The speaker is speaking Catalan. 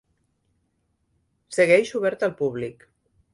Segueix obert al públic.